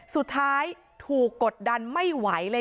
สุดท้ายถูกกดดันไม่ไหวเลย